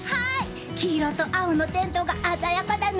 黄色と青のテントが鮮やかだね。